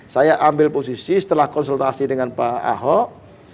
saya ambil posisi setelah konsultasi dengan pak ahok